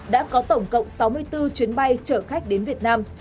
đã có tổng cộng sáu mươi bốn chuyến bay chở khách đến việt nam